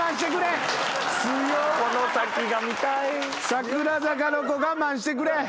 櫻坂の子我慢してくれ。